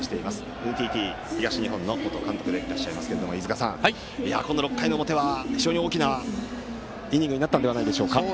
ＮＴＴ東日本の元監督でいらっしゃいますが飯塚さん、この６回の表は非常に大きなイニングになったのではないでしょうか。